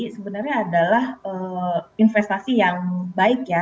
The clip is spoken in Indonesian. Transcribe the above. sebenarnya adalah investasi yang baik ya